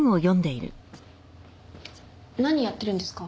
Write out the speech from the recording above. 何やってるんですか？